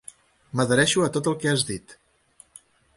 M'adhereixo a tot el que has dit.